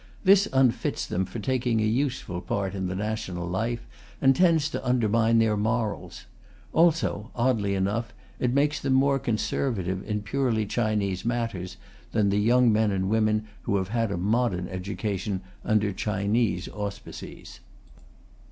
This unfits them for taking a useful part in the national life, and tends to undermine their morals. Also, oddly enough, it makes them more conservative in purely Chinese matters than the young men and women who have had a modern education under Chinese auspices.